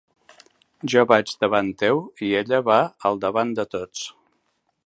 Jo vaig davant teu, i ella va al davant de tots.